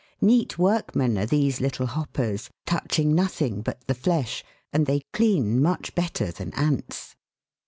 Neat workmen are these little hoppers, touching nothing but the flesh, and they clean much better than ants.